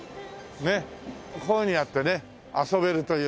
ねっこういうふうにやってね遊べるというね。